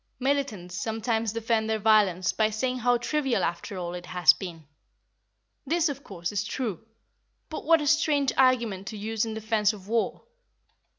Militants sometimes defend their violence by saying how trivial, after all, it has been. This, of course, is true. But what a strange argument to use in defence of war!